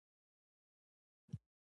هغه ځان له فیض الله خان څخه بېغمه کړ.